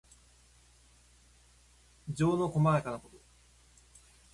情のこまやかなこと。